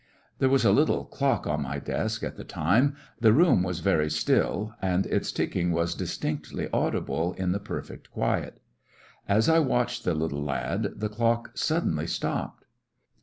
There was a little clock on my desk at the The stopped clock time. The room was very still, and its ticking was distinctly audible in the perfect quiet. As I watched the little lad, the clock suddenly stopped.